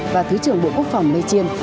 và thứ trưởng bộ quốc phòng lê chiên